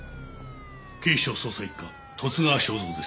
警視庁捜査一課十津川省三です。